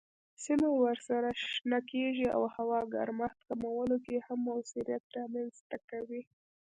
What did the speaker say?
سیمه ورسره شنه کیږي او هوا ګرمښت کمولو کې هم موثریت رامنځ کوي.